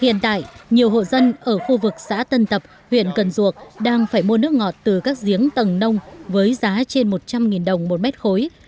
hiện tại nhiều hộ dân ở khu vực xã tân tập huyện cần duộc đang phải mua nước ngọt từ các giếng tầng nông với giá trên một trăm linh đồng một mét khối